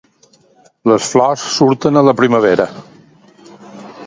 Les flors surten a la primavera.